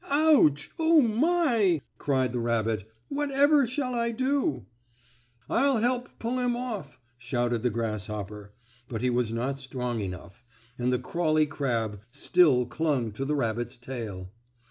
"Ouch! Oh, my!" cried the rabbit. "Whatever shall I do?" "I'll help pull him off!" shouted the grasshopper, but he was not strong enough, and the crawly crab still clung to the rabbit's tail.